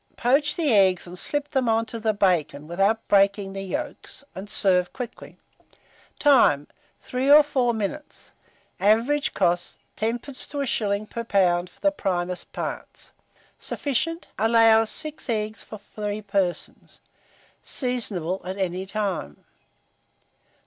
Poach the eggs and slip them on to the bacon, without breaking the yolks, and serve quickly. Time. 3 or 4 minutes. Average cost, 10d. to 1s. per lb. for the primest parts. Sufficient. Allow 6 eggs for 3 persons. Seasonable at any time.